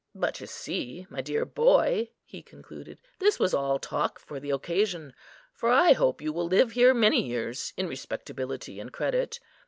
"But you see, my dear boy," he concluded, "this was all talk for the occasion, for I hope you will live here many years in respectability and credit.